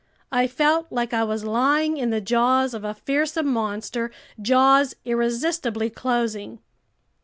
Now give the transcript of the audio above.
I felt like I was lying in the jaws of a fearsome monster, jaws irresistibly closing.